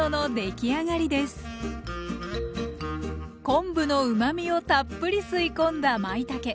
昆布のうまみをたっぷり吸い込んだまいたけ。